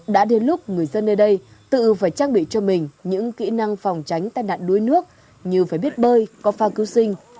đã đến lúc người dân nơi đây tự phải trang bị cho mình những kỹ năng phòng tránh tai nạn đuối nước như phải biết bơi có phao cứu sinh